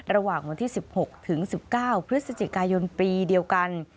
ระหว่างวันที่๑๖ถึง๑๙พฤศจิกายนปีเดียวกัน